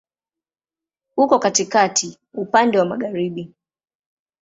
Uko katikati, upande wa magharibi.